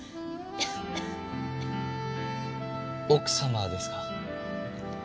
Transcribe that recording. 奥様ですか？